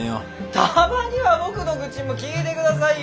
たまには僕の愚痴も聞いてくださいよ。